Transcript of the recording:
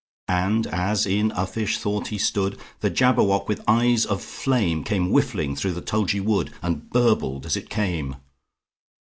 And as in uffish thought he stood, The Jabberwock, with eyes of flame, Came whiffling through the tulgey wood, And burbled as it came!